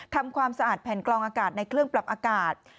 ทำความสะอาดแผ่นกลองอากาศในเครื่องปรับอากาศ